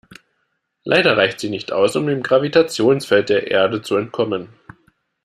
Leider reicht sie nicht aus, um dem Gravitationsfeld der Erde zu entkommen.